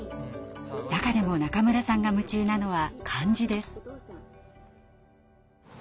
中でも中村さんが夢中なのは漢字です。